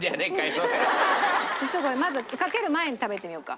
そしたらこれまずかける前に食べてみようか。